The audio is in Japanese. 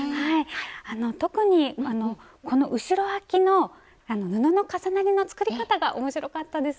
特にこの後ろあきの布の重なりの作り方が面白かったです。